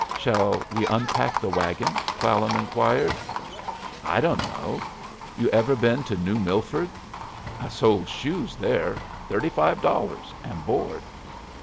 "Shall we unpack the wagon?" Clallam inquired. "I don't know. You ever been to New Milford? I sold shoes there. Thirty five dollars and board."